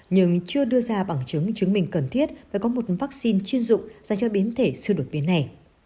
nhưng chưa đưa ra bằng chứng chứng minh cần thiết và có một vaccine chuyên dụng dành cho biến thể siêu đột biến này